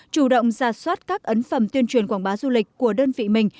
chủ động ra soát các ấn phẩm tuyên truyền quảng bá du lịch của đơn vị mình